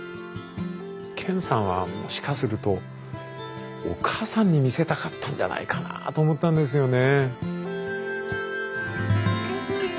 健さんはもしかするとお母さんに見せたかったんじゃないかなと思ったんですよね。